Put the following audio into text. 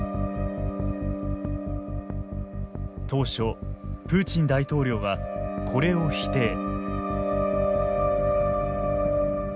当初、プーチン大統領はこれを否定。